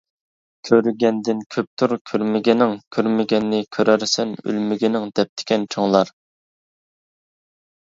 كۆرگەندىن كۆپتۇر كۆرمىگىنىڭ، كۆرمىگەننى كۆرەرسەن ئۆلمىگىنىڭ دەپتىكەن چوڭلار!